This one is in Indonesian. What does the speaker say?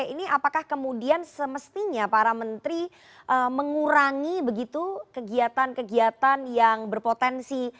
ini apakah kemudian semestinya para menteri mengurangi begitu kegiatan kegiatan yang berpotensi